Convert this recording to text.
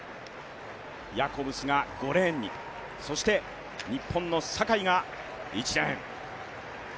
ヤコブスが５レーンにそして日本の坂井が１レーン。